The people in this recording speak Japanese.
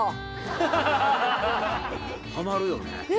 ハマるよね。